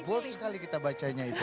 boleh sekali kita bacanya itu